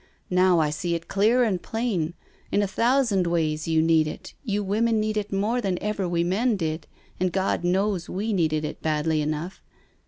Now I see it clear and plain. In a thousand ways you need it— you women need it more than ever we men did, and God knows we needed it badly enough.